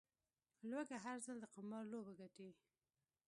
لوږه، هر ځل د قمار لوبه ګټي